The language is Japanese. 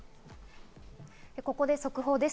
ここで速報です。